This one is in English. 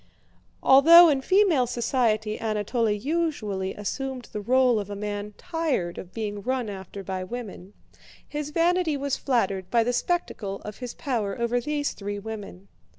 Although in female society Anatole usually assumed the role of a man tired of being run after by women, his vanity was flattered by the spectacle of his power over these three women.